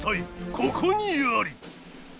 ここにあり！